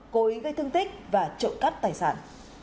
cố ý gây thương tích và trộm cắp tài sản